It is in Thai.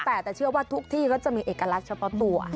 แต่เชื่อว่าทุกที่ก็จะมีเอกลักษณ์เฉพาะตัว